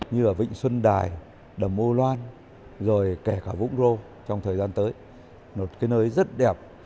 như ở vịnh xuân đài đầm âu loan rồi kể cả vũng rô trong thời gian tới một cái nơi rất đẹp